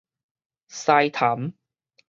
獅潭